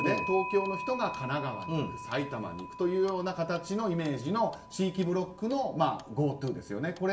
東京の人が神奈川に行く埼玉に行くというような形のイメージの、地域ブロックのＧｏＴｏですよね。